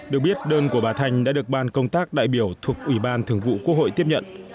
được biết đơn của bà thanh đã được ban công tác đại biểu thuộc ủy ban thường vụ quốc hội tiếp nhận